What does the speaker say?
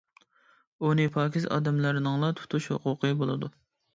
ئۇنى پاكىز ئادەملەرنىڭلا تۇتۇش ھوقۇقى بولىدۇ.